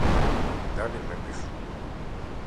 І далі ми пішли.